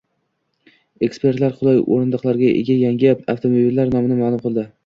Ekspertlar qulay o‘rindiqlarga ega yangi avtomobillar nomini ma’lum qildi